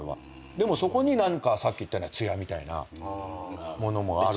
でもそこに何かさっき言った艶みたいなものも。